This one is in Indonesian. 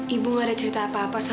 ibu gak cerita apa apa